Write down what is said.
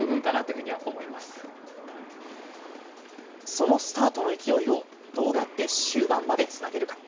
そのスタートの勢いをどうやって終盤までつなげるか。